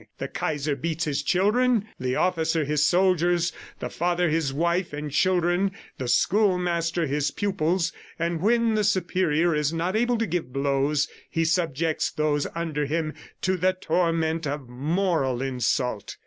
The Kaiser beats his children, the officer his soldiers, the father his wife and children, the schoolmaster his pupils, and when the superior is not able to give blows, he subjects those under him to the torment of moral insult."